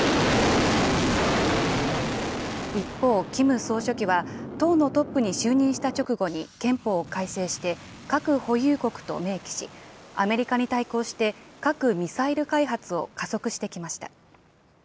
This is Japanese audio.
一方、キム総書記は、党のトップに就任した直後に憲法を改正して、核保有国と明記し、アメリカに対抗して、核・ミサイル開発を加速してきました。